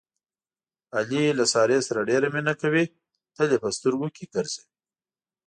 علي له سارې سره ډېره مینه کوي، تل یې په سترګو کې ګرځوي.